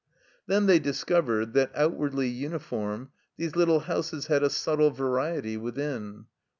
Then they discovered that, outwardly uniform, these little houses had a subtle variety within.